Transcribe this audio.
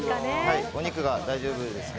お肉が大丈夫ですね